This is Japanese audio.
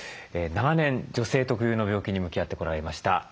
長年女性特有の病気に向き合ってこられました